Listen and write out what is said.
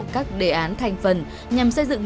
công an tp hcm